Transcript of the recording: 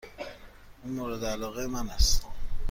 این مورد علاقه من است.